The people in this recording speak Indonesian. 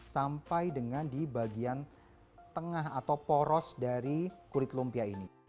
sampai dengan di bagian tengah atau poros dari kulit lumpia ini